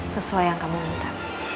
sesuai yang kamu minta